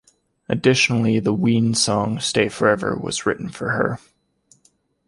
Additionally, the Ween song "Stay Forever" was written for her.